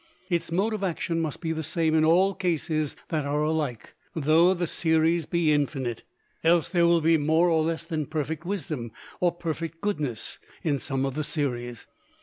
Its mode of action must be the same in all cases that are alike, though the series be infinite, else there will be more or less than perfect wisdom or perfect goodness in some of the series.